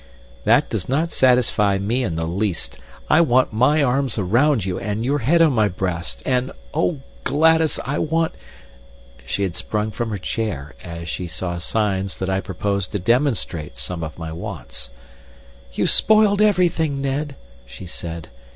"That does not satisfy me in the least. I want my arms round you, and your head on my breast, and oh, Gladys, I want " She had sprung from her chair, as she saw signs that I proposed to demonstrate some of my wants. "You've spoiled everything, Ned," she said.